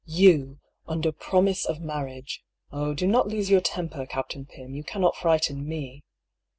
"You — ^under promise of marriage^oh, do not lose your temper, Captain Pym; you cannot frighten me!